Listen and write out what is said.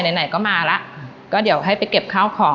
ไหนไหนก็มาแล้วก็เดี๋ยวให้ไปเก็บข้าวของ